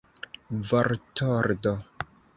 vortordo